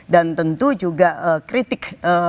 dan tentu juga kritik